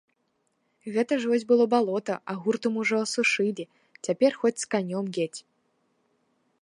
Гэта ж вось было балота, а гуртам ужо асушылі, цяпер хоць з канём едзь.